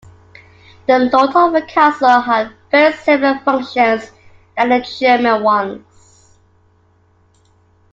The lord of the castle had very similar functions than the German ones.